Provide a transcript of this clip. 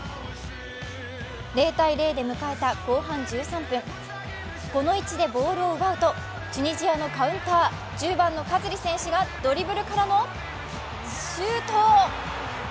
０−０で迎えた後半１３分この位置でボールを奪うとチュニジアのカウンター、１０番のカズリ選手がドリブルからのシュート。